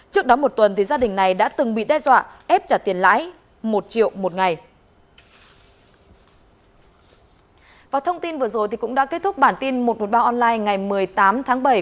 trước đó một tuần gia đình này đã từng bị đe dọa ép trả tiền lãi một triệu một ngày